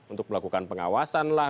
untuk melakukan pengawasan lah